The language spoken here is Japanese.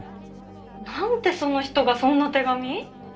なんでその人がそんな手紙？